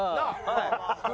はい。